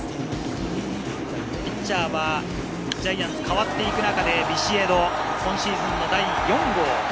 ピッチャーはジャイアンツが代わっていく中でビシエド、今シーズンの第４号。